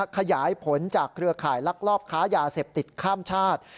ขยายผลจากเครือข่ายลักลอบค้ายาเสพติดข้ามชาติ